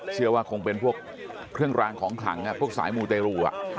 เชื่อว่าคงเป็นพวกเครื่องรางของขลังพวกสายมูเตรู